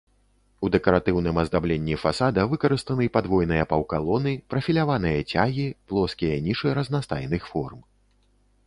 У дэкаратыўным аздабленні фасада выкарыстаны падвойныя паўкалоны, прафіляваныя цягі, плоскія нішы разнастайных форм.